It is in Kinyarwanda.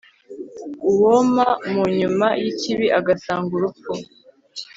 uwoma mu nyuma y'ikibi agasanga urupfu